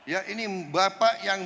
ya ini bapak yang